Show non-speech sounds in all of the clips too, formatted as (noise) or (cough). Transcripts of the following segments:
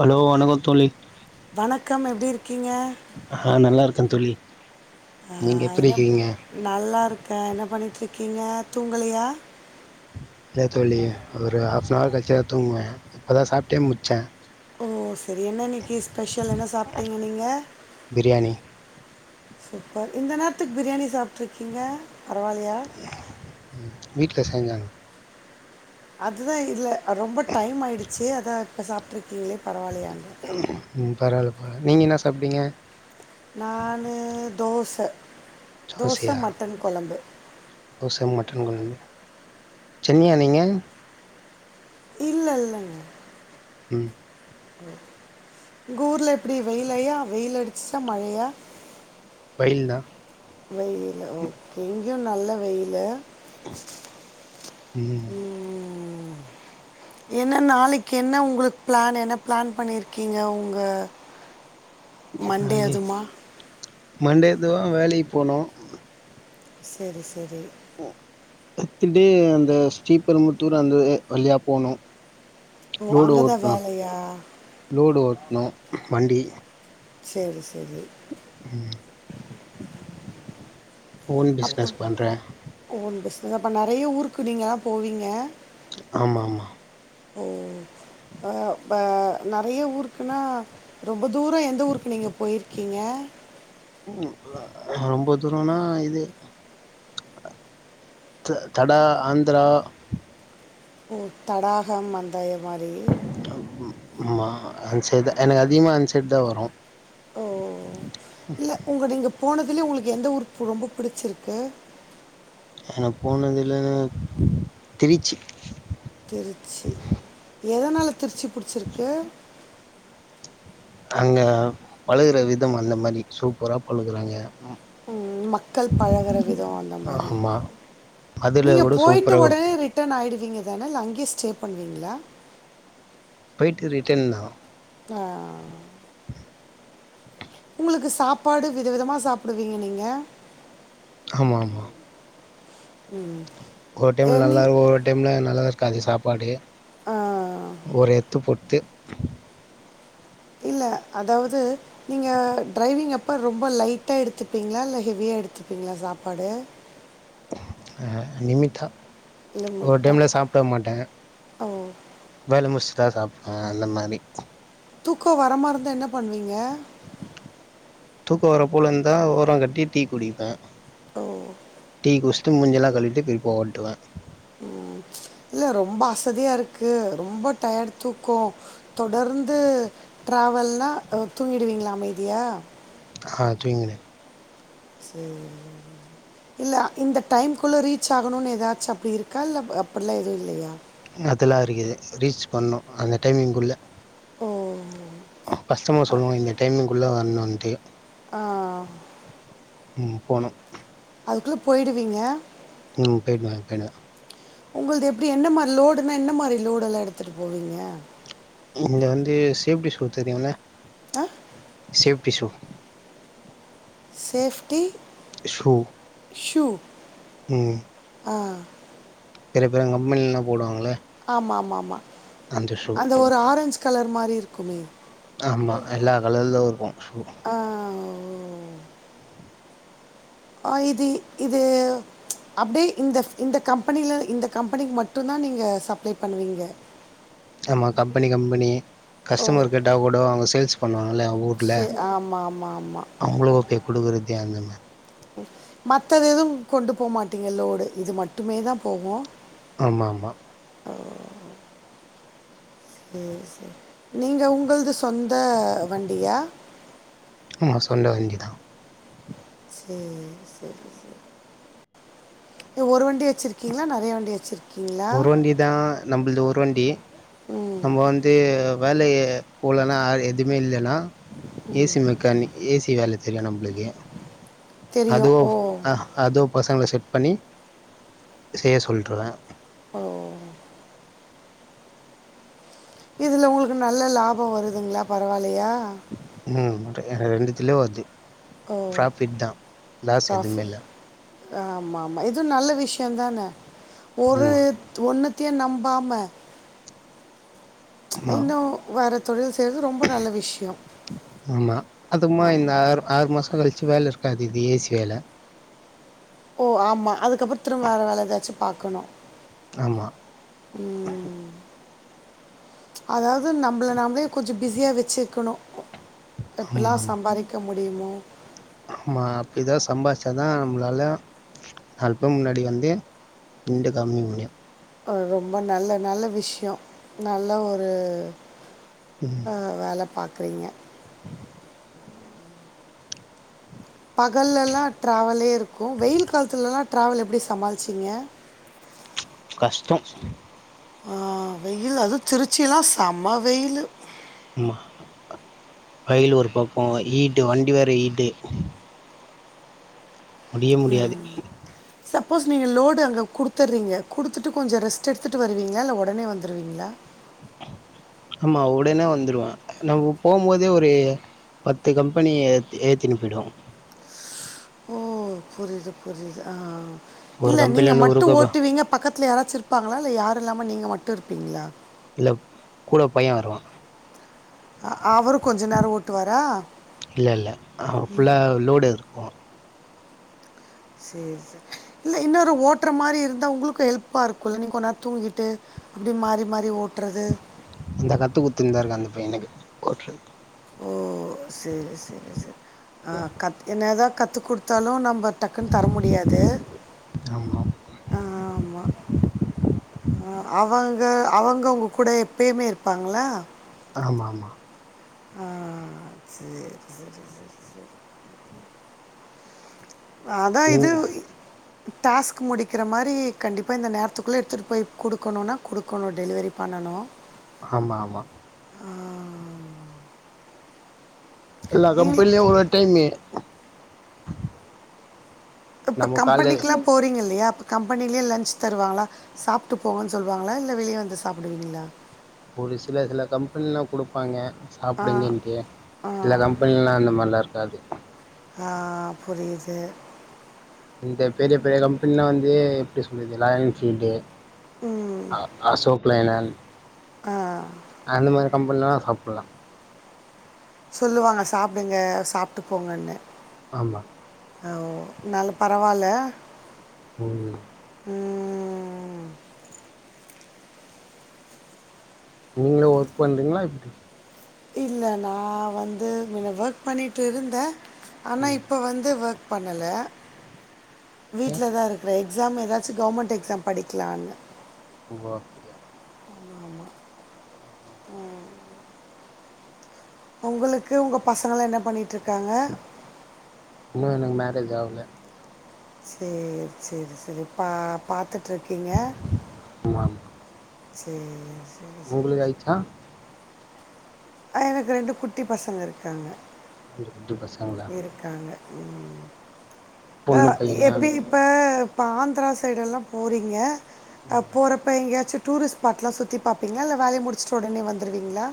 Hello வணக்கம் தோழி வணக்கம் எப்டி இருக்கீங்க ஆ நல்லாருக்கே தோழி நீங்க ஆஹ் எப்டி என்ன இருக்கீங்க நல்லா இருக்கே என்ன பண்ணிட்டு இருக்கீங்க தூங்கலயா இல்ல தோழி ஒரு ஹாஃப்ன்ஹவர் கழிச்சத தூங்குவே இப்ப தா சாப்ட்டே முச்ச ஓ செரி என்ன இன்னக்கு ஸ்பெஷல் என்ன சாப்ட்டீங்க நீங்க பிரியாணி சூப்பர் இந்த நேரத்துக்கு பிரியாணி சாப்ட்டுருக்கீங்க பரவாலயா வீட்ல செஞ்சாங்க அதுதா இல்ல ரொம்ப டைம் ஆயிடுச்சு அதா இப்போ சாப்ட்ருக்கீங்களே பரவாலயா ம் பரவால பரவால நீங்க என்ன சாப்டீங்க நானு தோச தோச தோசையா மட்டன் கொழம்பு தோச மட்டன் கொழம்பு சென்னியா நீங்க இல்ல இல்ல உ ங்க ஊர்ல எப்டி வெயிலையா வெயில் அடிச்சுட்டா மழையா வெயில் தா வெயில் ஓகே இங்கேயு நல்ல வெயிலு ம் உ என்ன நாளைக்கு என்ன உங்ளுக்கு ப்ளான் என்ன ப்ளான் பண்ணியிருக்கீங்க உங்க நாளைக்கு மண்டேலிருந்துவா வேலைக்கு போனு செரி செரி எத்துட்டு அந்த ஸ்ரீபெரும்புத்தூர் அந்த வழியா போனு ஓ லோடு அங்கே தான் ஓட்னோ வேலையா லோடு ஓட்ணு வண்டி சேரி சேரி ஓன் அப்போ பிஸ்னஸ் பண்றே ஓன் பிஸ்னஸ் அப்போ நேறைய ஊருக்கு நீங்கல்லா போவீங்க ஆமா ஆமா உ ஆ நேறைய ஊருக்குனா ரொம்ப தூரோ எந்த ஊருக்கு நீங்க போயிருக்கீங்க உ ரொம்ப தூரோனா இது ஜ ஜடா ஆந்தரா ஓ தடாகம் அந்த இ மாரி உ ஆமா அன்சைட்தா எனக்கு அதிகமாக அன்சைட் தா வரு ஓ இல்ல உங்க நீங்க போனதுலயே உங்களுக்கு எந்த உஊரு ரொம்ப புடிச்சிருக்கு எனக்கு போனதுல்ல திருச்சி திருச்சி எதனால திருச்சி புடிச்சிருக்கு அங்க பலகுற விதம் அந்த மாரி சூப்பரா பலகுறாங்க ம் மக்கள் பலகுற விதோ அந்த மாரி ஆமா மதுரைல நீங்க கூட போயிட்டு சூப்பரா ஒடனே ரிட்டன் ஆயிடுவீங்க தான இல்ல அங்கியே ஸ்டே பண்ணுவீங்களா போய்ட்டு ரிட்டன் தா ஆ உங்களுக்கு சாப்பாடு வித விதமா சாப்டுவீங்க நீங்க ஆமா ஆமா ம் ஒரு டைம்ல நல்லாருக்கு ஒரு டைம்ல நல்லாருக்காது சாப்பாடு ஆ, ஒரு எத்து பொர்த்து இல்ல அதாவது நீங்க டிரைவிங் அப்ப ரொம்ப லைட்டா எடுத்துப்பீங்களா இல்ல ஹெவியா எடுத்துப்பீங்களா சாப்பாடு ஹ லிமிட்டா இல்லை ஒரு முட்டா டைம்ல சாப்ட்டர மாட்ட ஓ வேல முச்சுதா சாப்டுவ அந்த மாரி தூக்கோ வரமா இருந்தா என்ன பண்வீங்க தூக்கோ வரப்போலிந்தா ஓரங் கட்டி டீ குடிப்ப ஓ டீ குஷ்ட்டு மூஞ்செல்லா கழுவிட்டு திருப்ப ஓட்டுவ இல்ல ரொம்ப அசதியா இருக்கு ரொம்போ டயார்டு தூக்கோ தொடர்ந்து ட்ராவல்னா அ தூங்கிடுவீங்களா அமைதியா ஹா தூங்கிடுவ சேரி இல்ல இந்த டைம்குள்ள ரீச் ஆகணுன் எதாச்சு அப்டி இருக்கா இல்ல அப்புட்லா எது இல்லயா அதல்லா இருகிது ரீச் பண்ணு அந்த டைமிங்குள்ள ஓ கஷ்டமர் சொல்லுவாங்க இந்த டைமிங்குள்ள வர்ணுன்ட்டு ஆ ம் போனு அதுக்குள்ள போயிடுவீங்க ம் போயிடுவ போயிடுவ உங்கள்து எப்டி என்ன மாரி லோடுன்னா என்ன மாரி லோடல்லா எடுத்துட்டு போவீங்க என்து வந்து சேப்ட்டி ஷூ தெரியும்ல safety shoe safety shoe shoe ம் ஆ நெறைய பேரு கம்பென்ல்லா போடுவாங்கல்ல ஆமா ஆமா ஆமா அந்த ஒரு ஆரஞ்ச் கலர் மாரி இருக்குமே ஆமா எல்லா கலர்லு இருக்கு ஷூ ஆ ஓ ஆ இது இது அப்டே இந்த இந்த கம்பெனில இந்த கம்பெனிக் மட்டுந்தா நீங்க சப்லே பண்ணுவீங்க ஆமா கம்பெனி கம்பெனி ஓ கஸ்டமர் கேட்டா கூட அவங்க சேல்ஸ் பன்னுவாங்கல்ல வூட்ல சரி ஆமாம் ஆமாம் ஆமாம் அவுங்களுதே குடுக்குறதே அந்தமா மத்தது எதுவு கொண்டு போகமாட்டீங்க லோடு இது மட்டுமே தா போகு ஆமாமா சேர் செரி நீங்கள் உங்கள்து சொந்த வண்டியா ஆமா சொந்த வண்டி தா சேரி செரி ஒரு வண்டி வெச்சிருக்கீங்களா நெறைய வண்டி வெச்சிருக் ஒருவண்டி தா நம்மள்து ஒருவண்டி நம்ம வந்து வேலைய போலன்னா எதுமே இல்லைனா ஏசி மெக்கானிக் ஏசி வேலை தெரியும் நம்ளுக்கே தெரியும் அதுவு ஓ அதுவும் பசங்கள செட் பண்ணி செய்ய சொல்றுவே ஓ இதுல உங்களுக்கு நல்ல லாபம் வருதுங்களா பரவால்லையா ம் ரெண்டுத்துலயும் வருது ஓ ப்ராஃபிட் தா லாஸ் எதுமே இல்ல ஆமா ஆமா இதுவு நல்ல விஷ்யோந்தானே ஒரு ஆமாம் ஒண்ணுதியு நம்பாமா ஆமாம் இன்னு வேற தொழில் செய்றது ரொம்ப நல்ல விஷ்யோ ஆமா அதுமா இந்த ஆறு ஆறு மாசம் கழிச்சு வேலை இருக்காது இந்த ஏசி வேலை ஓ ஆமா அதுக்கப்புறம் திரும்ப வேற வேலை ஏதாச்சும் பாக்கணு ஆமா ம் அதாவது நம்மள நாம்மளே கொஞ்சம் பிஸியா வச்சிருக்கணு எப்டிலா சம்பாரிக்க முடியுமோ ஆம்மா அப்டிதா சம்பாதிச்சாதா நம்ளால நாலு பேரு முன்னாடி வந்து நீண்டு காமிக் முடியு ஒரு ரொம்ப நல்ல நல்ல விஷ்யோ நல்ல ஒரு அஹ் வேல பாக்குறீங்க பகல்லெலா டிரவலே இருக்கு வெயில் காலத்துலலெல்லா டிரவல் எப்டி சமாளிச்சிங்க கஷ்டோ வெயில் அதுவு திருச்சியெல்லா செம வெயிலு ஆமா வெயில் ஒரு பக்கோ ஈட்டு வண்டி வேற ஹீட்டு முடியாது ம்ம் சப்போஸ் நீங்க லோடு அங்க குடுத்துட்றீங்க குடுத்துட்டு கொஞ்சோ ரெஸ்ட் எடுத்துட்டு வருவீங்களா இல்ல உடனே வந்துருவீங்களா ஆமா உடனே வந்துருவ நம்ம போம்போதே ஒரு பத்து கம்பெனி ஏத்தி ஏத்திட்டு போயிடுவோ ஓ புரியுது புரியுது ஆஹ ஒரு இல்ல நீங்க கம்பெனில நூறு மட்டும் கப ஓட்டுவீங்க பக்கத் ல யாராச்சு இருப்பாங்கால இல்ல யாரும் இல்லாம நீங்க மட்டும் இருபிங்ளா இல்ல கூட பைய வருவா அ- அவரும் கொஞ்ச நேரம் ஓட்டுவாரா இல்லல்ல அவ ஃபுல்லா லோடு இருக்கு சேரி சேரி இல்ல இன்னொரு ஓட்டுற மாரி இருந்தா உங்களுக்கு ஹெல்ப்பா இருக்குல்ல நீங்க கொன் நேரோ தூங்கிட்டு அப்டி மாறி மாறி ஓட்றது இந்தா கத்து குத்துந்தாருக்கு அந்த பையனுக்கு ஓட்றதுக் ஓ செரி செரி செரி ஹ கத் என்னதா கத்து குடுத்தாலு நம்ப டக்குன்னு தர முடியாது ஆமா ஆமா அவங்க அவங்கவுங்க கூட எப்பயுமே இருப்பாங்களா ஆமாமா ஆஹ் சேர் சேரி செரி செரி அதா இது நீங்க இ டாஸ்க் முடிக்கிற மாரி கண்டிப்பா இந்த நேரத்துக்குள்ள எடுத்துட்டு போய் குடுக்குணுனா குடுக்குணு டெலிவரி பண்ணனு. ஆமா ஆமா. எல்லா நீங்கள் கம்பென்லியு ஒரு ஒரு டைமெ குப்ப நம்ம கால்ல கம்பெனிக்லா போறீங்க இல்லையா அப்ப கம்பெனிலியே லன்ச் தருவாங்களா? சாப்ட்டு போங்கன் சொல்வாங்களா இல்ல வெளிய வந்து சாப்டுவிங்களா? ஒரு சில சில கம்பென்லா குடுப்பாங்க சாப்டுங்கன்ட்டு. ஆ சில கம்பென்ல்லா அந்த மார்லா இருக்காது. ஆ புரியுது. இந்த பெரிய பெரிய கம்பென்லா வந்து எப்டி சொல்றது லாயல் இன்ஃபீல்டு ஆ அசோக் லைனன் அ. அந்த மாரி கம்பென்ல்லா சாப்பல்லா. சொல்லுவாங்க சாப்டுங்க சாப்ட்டு போங்கன்னு. ஆமா. ஆ ஓ நல்ல பரவால்ல. ம். ம், நீங்ளு ஒர்க் பண்றீங்ளா எப்டி? இல்ல நா வந்து மின்ன வக் பண்ணிட்டு இருந்தே ஆனா ம் இப்ப வந்து வக் பண்ணல ஏ வீட்லதாரு க்ற எக்ஸாம் எதாச்சு கவுமெண்ட் எக்ஸாம் படிக்லான்னு. ஓ அப்டியா? ம் ம். உங்குளுக்கு உங்க பசங்கள்லா என்ன பண்ணிட்ருக்காங்க? இன்னு எனக் மேரேஜ் ஆவுல. சேரி சேரி சேரி பா பாத்துட்ருக்கீங்க. ஆமாமா. சேஸ். உங்குளுகு ஆயிட்ச்சா? ஆ எனக்கு ரெண்டு குட்டி பசங்க இருக்காங்க. ரெண்டு குட்டி பசங்களா? காங்க ம் ஆ பொண்ணு பையனா எப்பி இப் ப இப்ப ஆந்த்ரா சைடெல்லாம் போறீங்க அ ம் போறப்ப எங்யாச்சு டூரிஸ் ஸ்பாட்லா சுத்தி பாப்பிங்ளா இல்ல வேலைய முடிச்ட்டு உடனே வந்துருவிங்ளா?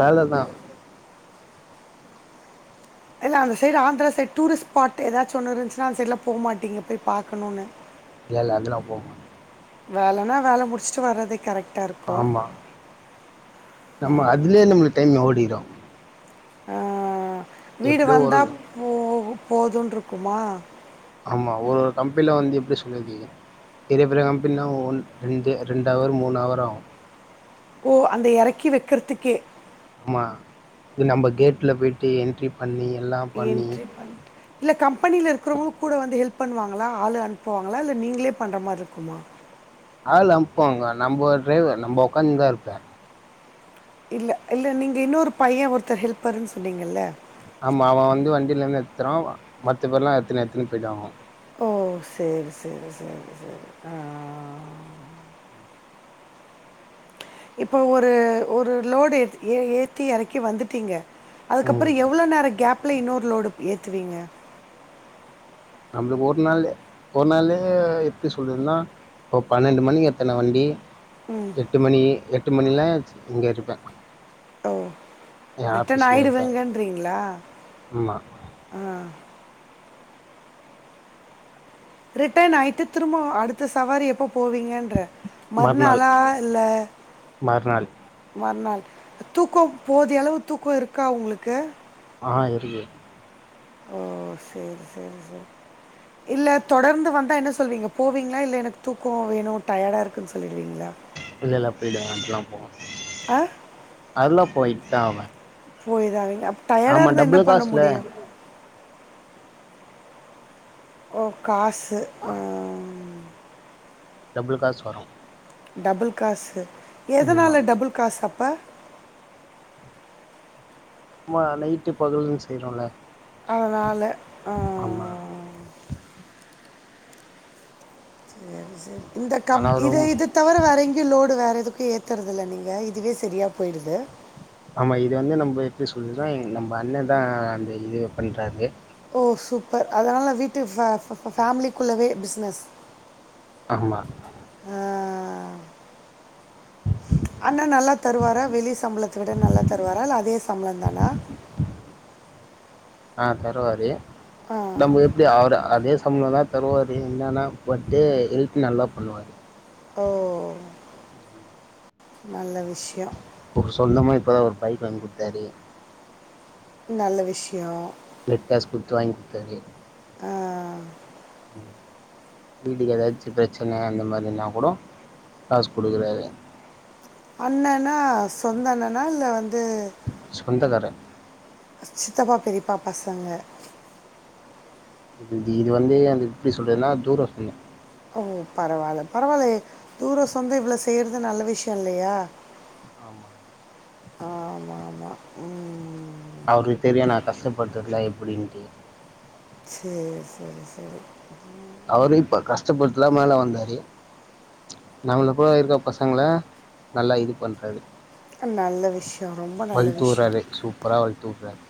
வேலதா. இல்ல அந்த side Andhra side tourist spot எதாச்சு ஒன்னு இருஞ்சுனா அந்த சைட்லா போமாட்டிங்க போய் பாக்கணுன்னு. இல்ல இல்ல அதெல்லா போவ் மாட் வேலனா வேல முடிச்ட்டு வரது கரெக் அ ஆமா நம்ம அதுலே நம்முளுக் டைம் ஓடிரு. ஆ வீடு எப்டியோ ஒரு வந்தா போகு போதுன்ருக்குமா? ஆமா ஒரு ஒரு கம்பென்ல வந்து எப்டி சொல்லது பெரிய பெரிய கம்பென்லா ஒ ஒன் ரெண்ந்து ரெண்டவர் மூணு அவர் ஆவு. ஓ அந்த எறக்கி வெக்கறத்துக்கே. ஆமா இது நம்ப கேட்ல போய்ட்டு என்ட்ரி பண்ணி எல்லா பண்ணி என்ட்ரி பண்ட்டு இல்ல கம்பெனில இருக்றவங்ளு கூட வந்து ஹெல்ப் பண்ணுவாங்களா ஆளு அனுப்புவாங்களா இல்ல நீங்களே பண்ற மார் இருக்குமா ஆளு அன்ப்பாங்க நம்போ டிரைவர் நம்ப ஒக்காந்து தா இருப்பே இல்ல இல்ல நீங்க இன்னொரு பைய ஒருத்தர் ஹெல்ப்பருன் சொன்னிங்கள்ல ஆமா அவ வந்து வண்டிலுந்து எட்த்தருவா மத்த பேர்லா எத்துனு எத்துனு போய்டுவாங்க ஓ செரி செரி செரி செரி ஆ இப்ப ஒரு ஒரு லோடு ஏத் ஏ ஏத்தி எறக்கி வந்துட்டீங்க அதுக்கப்றோ ம் எவ் வ்ளோ நேர கேப்ல இன்னொரு லோடு ஏத்துவீங்க நம்மளுக்கு ஒரு நாள்ல ஒரு நாள்ல எப்டி சொல்றதுன்னா இப்போ பன்னெண்டு மணி எத்தன வண்டி எட்டு மணி எட்டு மணிலா இங்க இருப்பே ஓ எ ரிட்டன் ஆஃபீஸ்ல இருப்பே ஆகிடுவங்கன்றீங்ளா ஆமா ஆ ரிட்டர்ன் ஆயிட்டு திரும்போ அடுத்த சவாரி எப்ப போவீங்கேன்ற மறுநாள் மறுநாளா இல்ல மறுநாள் மறுநாள் தூக்கோ போதிய அளவு தூக்கோ இருக்கா உங்களுக்கு ஆ இருக்கு ஓ செரி செரி செரி (inaudible) இல்ல தொடர்ந்து வந்தா என்ன சொல்வீங்க போவீங்ளா இல்ல எனக்கு தூக்கோ வேணு டயர்டா இருக்குன் சொல்லிடுவீங்ளா இல்லல்ல அப்டில அப்பெல்லா போவே ஆ அதெல்லா போய்த்தா ஆவே போய்தா ஆவீங்க அப் டயர்டா ஆமா இருந்தா என்ன டபுள் பண்ண காசுல முடியு ஓ காசு ஆ டபுள் காசு வரு டபுள் காசு ஆமா எதனால டபுள் காசு அப்ப ஆமா நைட்டு பகல்ன்னு செய்றோல அதனால ஆ சரி சரி இந்த கம் ஆனா இத ரொம் இது இதவர வேற எங்யு லோடு வேற எதுக்கு ஏத்தறது இல்ல நீங்க இதுவே சரியா போய்டுது ஆமா இது வந்து நம்ப எப்டி சொல்றதுனா எ நம்ப அண்ணே தா அந்த இது பண்றாரு ஓ சூப்பர் அதனால வீட்டு ஃபே ஃபேமிலிக்குள்ளவே பிசினஸ் ஆம் மா ஆ ஆ அண்ணே நல்லா தருவாரா வெளிய சம்பளத்த விட நல்லா தருவாரா இல்ல அதே சம்பளோ தானா ஆ தருவாரு நம்ப எ ப்டி அவுரு அதே சம்பளோ தா தருவாரு என்னெனா பட்டு ஹெல்ப் நல்லா பண்ணுவாரு ஓ ஆமா. நல்ல விஷ்யோ இப்ப சொந்தமா இப்பதா ஒரு பைக் வாங்கிகுட்த்தாரு நல்ல விஷ்யோ ப்ளெட் டாஸ்க் குட்த்து வாங் குத்தாரு ஆ ஆ ம் வீட்டுக்கு எதாச்சு பிரச்சன அந்த மாரினா கூடோ காசு குடுக்றாரு அண்ணேனா சொந்த அண்ணனா இல்ல வந்து சொந்தக்கார சித்தப்பா பெரியப்பா பசங்க இது இது வந்து அது எப்டி சொல்றதுன்னா தூரோ சொந்தோ ஓ பரவால்ல பரவாலயே தூரோ சொந்தோ இவ்ளோ செய்றது நல்ல விஷயோ இல்லையா ஆமா ஆமா ஆமா ம் அவருக்கு தெரியு நா கஷ்டப்படுறதுல எப்டின்ட்டு சேர் சேரி சேரி அவரு இப்ப கஷ்டப்பட்டுதா மேலே வந்தாரு நம்மள போல இருக்க பசங்கள நல்லா இது பண்றாரு நல்ல விஷ்யோ ரொம்ப நல்ல விஷ்யோ பூரா வளத்து வுட்றாரு